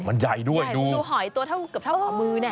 มันใหญ่ด้วยหอยตัวเกือบเท่าห่อมือ